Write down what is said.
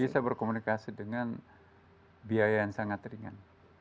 bisa berkomunikasi dengan biaya yang sangat ringan